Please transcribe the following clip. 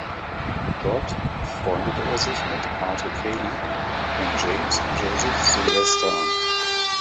Dort freundete er sich mit Arthur Cayley und James Joseph Sylvester an.